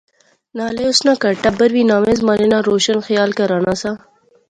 نالے اس ناں کہر ٹبر وی ناوے زمانے ناں روشن خیال کہرانہ سا